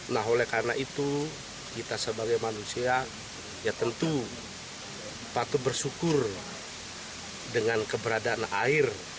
nah oleh karena itu kita sebagai manusia ya tentu patut bersyukur dengan keberadaan air